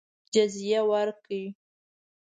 جزیه ورکړي.